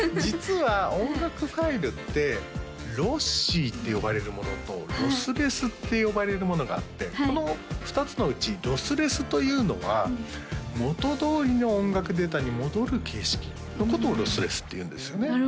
実は音楽ファイルってロッシーって呼ばれるものとロスレスって呼ばれるものがあってこの２つのうちロスレスというのは元どおりの音楽データに戻る形式のことをロスレスっていうんですよね